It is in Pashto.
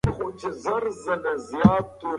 که معلومات دقیق وي نو ستونزې حل کیږي.